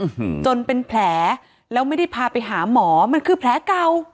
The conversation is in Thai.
จนเป็นแผลแล้วไม่ได้พาไปหาหมอมันคือแผลเก่า